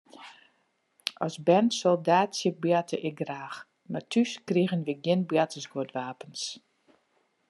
As bern soldaatsjeboarte ik graach, mar thús krigen wy gjin boartersguodwapens.